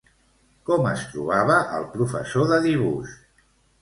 Com es trobava el professor de dibuix?